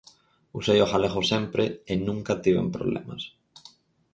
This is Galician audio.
Usei o galego sempre e nunca tiven problemas.